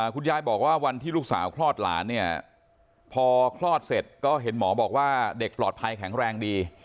คุณยายบอกว่าวันที่ลูกสาวคลอดหลานเนี่ยพอคลอดเสร็จก็เห็นหมอบอกว่าเด็กปลอดภัยแข็งแรงดี